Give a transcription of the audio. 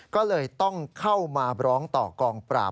ก็เลยต้องเข้ามาร้องต่อกองปราบ